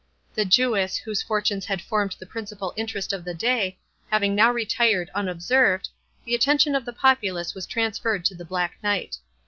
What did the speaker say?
The Jewess, whose fortunes had formed the principal interest of the day, having now retired unobserved, the attention of the populace was transferred to the Black Knight.